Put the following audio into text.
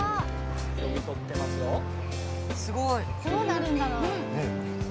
どうなるんだろう？